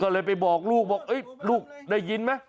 ก็เลยไปบอกลูกบอกลูกได้ยินไหม